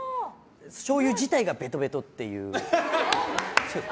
しょうゆ自体がベトベトっていう。